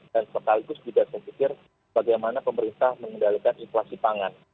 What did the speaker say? dan sekaligus juga dipikir bagaimana pemerintah mengendalikan inflasi pangan